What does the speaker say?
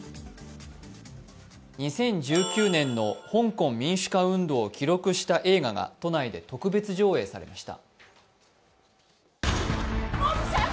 ２０１９年の香港民主化運動を記録した映画が都内で特別上映されました。